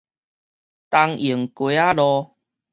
東榮街仔口